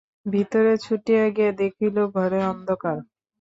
ভিতরে ছুটিয়া গিয়া দেখিল, ঘরে অন্ধকার।